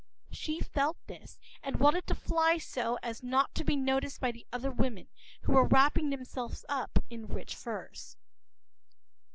She felt this, and wanted to fly so as not to be noticed by the other women, who were wrapping themselves up in rich furs.